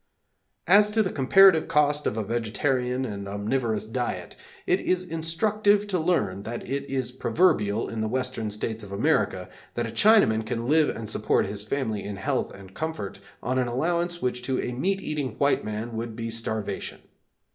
As to the comparative cost of a vegetarian and omnivorous diet, it is instructive to learn that it is proverbial in the Western States of America that a Chinaman can live and support his family in health and comfort on an allowance which to a meat eating white man would be starvation.